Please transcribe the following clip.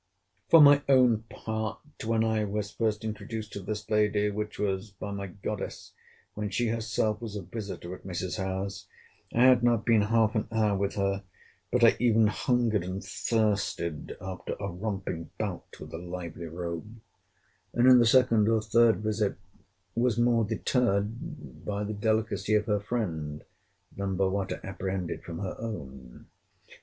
For my own part, when I was first introduced to this lady, which was by my goddess when she herself was a visiter at Mrs. Howe's, I had not been half an hour with her, but I even hungered and thirsted after a romping 'bout with the lively rogue; and, in the second or third visit, was more deterred by the delicacy of her friend, than by what I apprehended from her own.